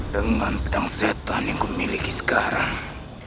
dengan pedang setan yang kumiliki sekarang